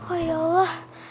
oh ya allah